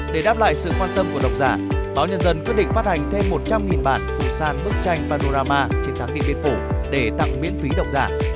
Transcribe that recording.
để đáp lại sự quan tâm của độc giả báo nhân dân quyết định phát hành thêm một trăm linh bản phụ sàn bức tranh panorama trên tháng địa biến phủ để tặng miễn phí độc giả